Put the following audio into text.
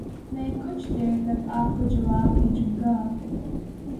میں کچھ دیر تک آپ کو جواب بھیجوں گا۔۔۔